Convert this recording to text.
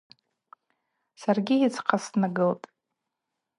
Саргьи йыдзхъа снагылтӏ.